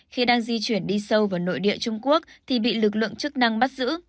khi đang di chuyển đi sâu vào nội địa trung quốc thì bị lực lượng chức năng bắt giữ